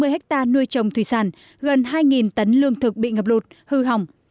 một một trăm tám mươi hectare nuôi trồng thủy sản gần hai tấn lương thực bị ngập lụt hư hỏng